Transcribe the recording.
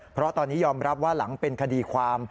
เพราะตอนนี้ยอมรับว่าหลังเป็นคดีความ